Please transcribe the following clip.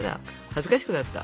恥ずかしくなった。